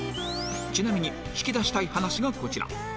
ちなみに引き出したい話がこちら